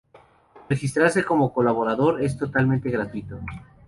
Registrarse como colaborador es totalmente gratuito.